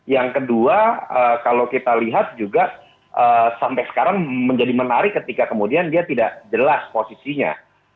yang kedua kalau kita lihat juga sampai sekarang menjadi menarik ketika kemudian dia tidak jelas posisinya